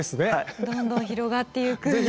どんどん広がっていく。